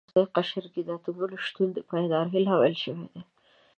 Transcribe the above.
په وروستي قشر کې د اتو الکترونونو شتون د پایداري لامل شوی دی.